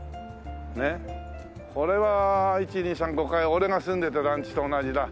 これは１２３５階俺が住んでた団地と同じだ。